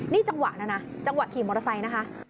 นี่จังหวะแล้วนะจังหวะขี่มอเตอร์ไซค์นะคะ